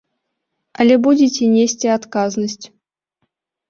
Але будзеце несці адказнасць.